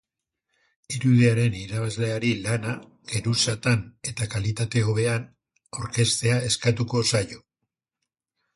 Irudiaren irabazleari lana geruzatan eta kalitate hobean aurkeztea eskatuko zaio.